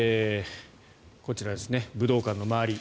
こちら、武道館の周り